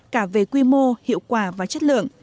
cả về quy mô hiệu quả và chất lượng